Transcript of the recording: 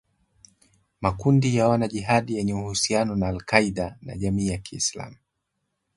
makundi ya wanajihadi yenye uhusiano na al-Qaeda na jamii ya kiislamu